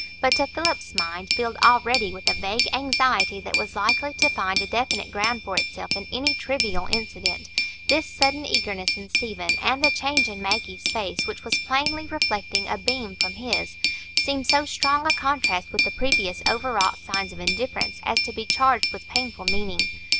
But to Philip's mind, filled already with a vague anxiety that was likely to find a definite ground for itself in any trivial incident, this sudden eagerness in Stephen, and the change in Maggie's face, which was plainly reflecting a beam from his, seemed so strong a contrast with the previous overwrought signs of indifference, as to be charged with painful meaning.